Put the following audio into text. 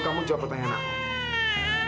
kamu jawab pertanyaan aku